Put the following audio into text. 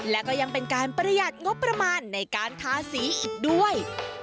และก็ยังเป็นการประหยัดงบประมาณในการทาสีอีกด้วย